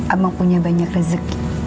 abang punya banyak rezeki